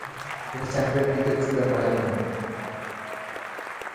তিনি স্ট্যাম্পের দিকে ছুড়ে মারেননি।